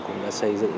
cũng đã xây dựng